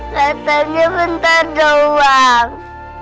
katanya bentar doang